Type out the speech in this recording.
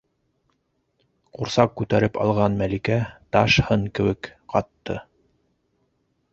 Ҡурсаҡ күтәреп алған Мәликә таш һын кеүек ҡатты.